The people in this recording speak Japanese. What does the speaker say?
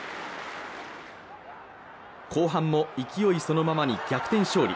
後半も勢いそのままに逆転勝利。